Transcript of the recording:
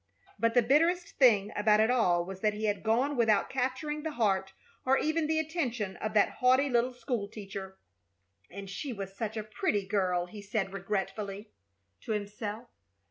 But the bitterest thing about it all was that he had gone without capturing the heart or even the attention of that haughty little school teacher. "And she was such a pretty girl," he said, regretfully, to himself.